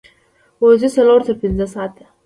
ورځې څلور تر پنځه ساعته